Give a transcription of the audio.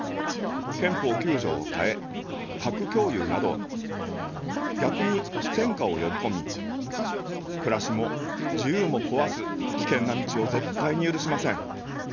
憲法９条を変え、核共有など、逆に戦火をよびこみ、暮らしも自由も壊す、危険な道を絶対に許しません。